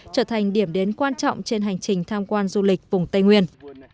trở thành điểm đến quan trọng trên hành trình tham quan du lịch vùng tây nguyên